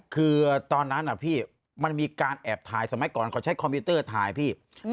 คือตอนนั้นพี่มันมีการแอบถ่ายสมัยก่อนเขาใช้คอมพิวเตอร์ถ่ายพี่